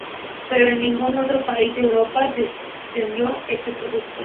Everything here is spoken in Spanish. Pero en ningún otro país de Europa se extendió este producto.